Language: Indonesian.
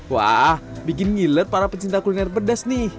wah bikin ngiler para pencinta kuliner pedas nih